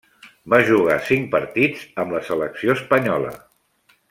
Va jugar cinc partits amb la selecció espanyola.